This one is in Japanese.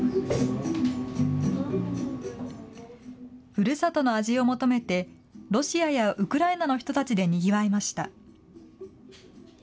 ふるさとの味を求めてロシアやウクライナの人たちでにぎわいました。